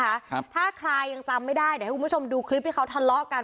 ครับถ้าใครยังจำไม่ได้เดี๋ยวให้คุณผู้ชมดูคลิปที่เขาทะเลาะกัน